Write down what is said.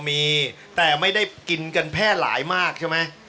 มีแต่ไม่ได้กินกันแพร่หลายมากใช่ไหม